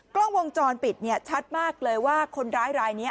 กล้องวงจรปิดชัดมากเลยว่าคนร้ายรายนี้